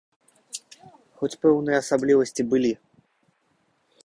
Хоць пэўныя асаблівасці былі.